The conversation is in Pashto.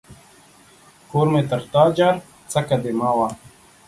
کور مې تر تا جار ، څکه دي مه وه.